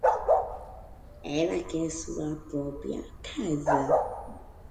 Ela quer sua própria casa.